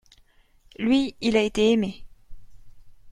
Lui, il a été aimé.